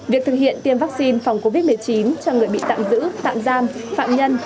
việc thực hiện tiêm vaccine phòng covid một mươi chín cho người bị tạm giữ tạm giam phạm nhân